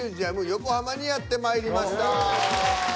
横浜にやってまいりました。